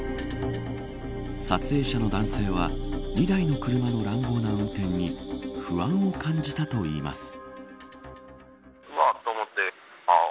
撮影者の男性は２台の車の乱暴な運転に不安を感じたといいます。